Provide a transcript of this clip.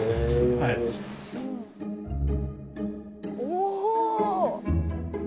お！